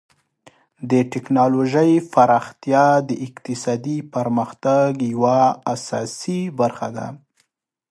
د ټکنالوژۍ پراختیا د اقتصادي پرمختګ یوه اساسي برخه ده.